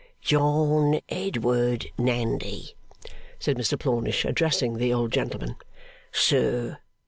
'John Edward Nandy,' said Mr Plornish, addressing the old gentleman. 'Sir.